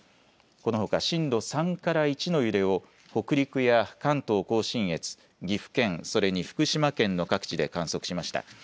このほか震度３から１の揺れを北陸や関東甲信越、岐阜県、それに福島県の各地で観測しました。